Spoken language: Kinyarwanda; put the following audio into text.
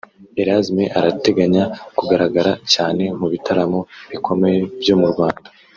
Erasm arateganya kugaragara cyane mu bitaramo bikomeye byo mu Rwanda